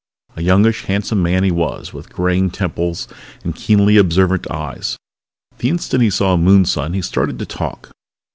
A youngish, handsome man he was, with graying temples and keenly observant eyes. The instant he saw Moonson he started to talk.